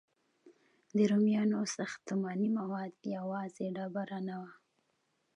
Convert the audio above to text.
د رومیانو ساختماني مواد یوازې ډبره نه وه.